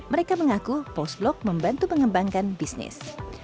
mereka mengaku post blok membantu mengembangkan bisnis